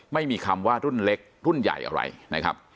ไม่มีคำว่ารุ่นเล็กรุ่นใหญ่อะไรนะครับ